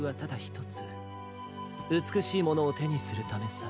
うつくしいものをてにするためさ。